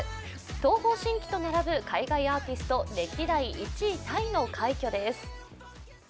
東方神起と並ぶ海外アーティスト歴代１位タイの快挙です。